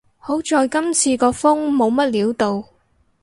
好在今次個風冇乜料到